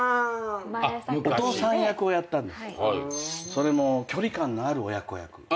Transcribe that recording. それも距離感のある親子役。